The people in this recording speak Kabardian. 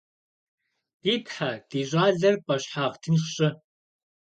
Ди Тхьэ, ди щӏалэр пӏэщхьагъ тынш щӏы!